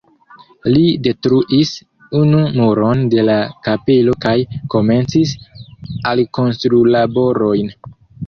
Li detruis unu muron de la kapelo kaj komencis alkonstrulaborojn.